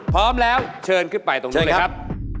พร้อมแล้วเชิญขึ้นไปตรงนี้เลยครับ